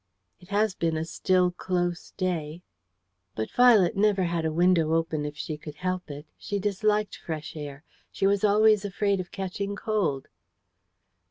"It has been a still, close day." "But Violet never had a window open if she could help it. She disliked fresh air. She was always afraid of catching cold."